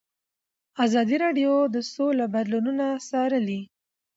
ازادي راډیو د سوله بدلونونه څارلي.